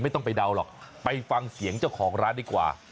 ไม่ต้องไปเดาหรอกไปฟังเสียงเจ้าของร้านดีกว่า